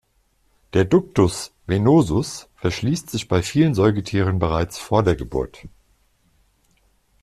Der Ductus venosus verschließt sich bei vielen Säugetieren bereits vor der Geburt.